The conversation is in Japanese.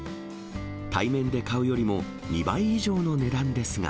対面で買うよりも２倍以上の値段ですが。